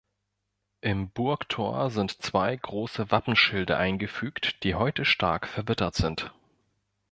Im Burgtor sind zwei große Wappenschilde eingefügt, die heute stark verwittert sind.